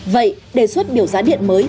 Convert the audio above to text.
vậy đề xuất biểu giá điện mới